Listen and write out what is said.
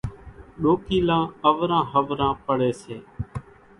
ڏوڪيلان اوران ۿوران پڙي سي،